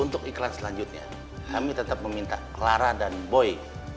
untuk iklan selanjutnya kami tetap meminta clara dan boy